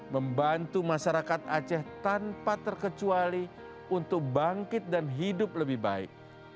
membantu masyarakat aceh tanpa terkecuali untuk bangkit dan hidup lebih baik